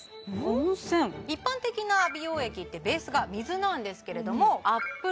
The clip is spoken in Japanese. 一般的な美容液ってベースが水なんですけれどもアップ